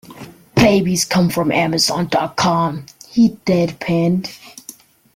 "Babies come from amazon.com," he deadpanned.